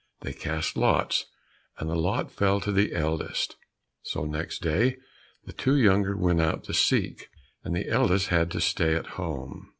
They cast lots, and the lot fell on the eldest; so next day the two younger went out to seek, and the eldest had to stay home.